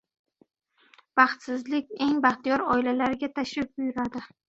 • Baxtsizlik eng baxtiyor oilalarga tashrif buyuradi.